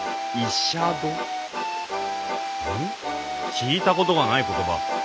聞いたことがない言葉。